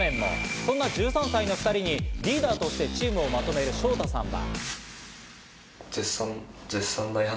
そんな１３歳の２人にリーダーとしてチームをまとめるショウタさんは。